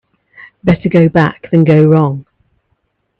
Better to go back than go wrong.